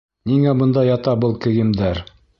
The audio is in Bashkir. Ниңә бында ята был кейемдәр?